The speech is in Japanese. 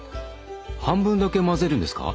半分だけ混ぜるんですか？